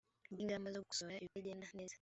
ry ingamba zo gukosora ibitagenda neza